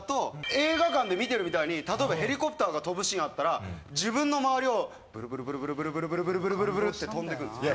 映画館で見てるみたいに例えばヘリコプターが飛ぶシーンあったら自分の周りをブルブルブルブルって飛んでいくんですよ。